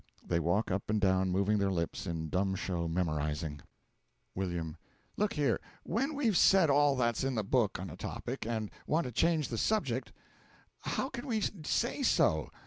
(They walk up and down, moving their lips in dumb show memorising.) W. Look here when we've said all that's in the book on a topic, and want to change the subject, how can we say so?